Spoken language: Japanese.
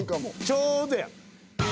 ちょうどや。